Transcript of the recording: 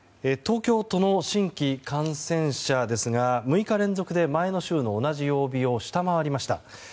東京都の新規感染者ですが６日連続で前の週の同じ曜日を下回りました。